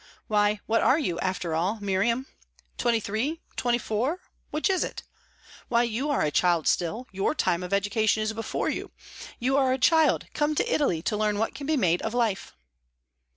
Why, what are you, after all, Miriam? Twenty three, twenty four which is it? Why, you are a child still; your time of education is before you. You are a child come to Italy to learn what can be made of life!"